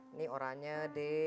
ini oranya d